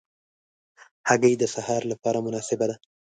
هګۍ د سهار له پاره مناسبه ده.